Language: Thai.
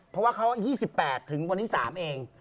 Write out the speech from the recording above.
เพราะว่าเขา๒๘ถึงวันที่๓เอง